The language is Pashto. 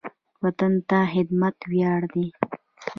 وطن ته خدمت ویاړ دی